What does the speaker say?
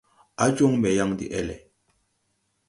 A joŋ mbe yaŋ de ɛlɛ.